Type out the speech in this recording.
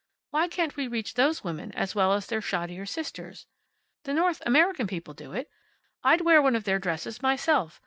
Why can't we reach those women, as well as their shoddier sisters? The North American people do it. I'd wear one of their dresses myself.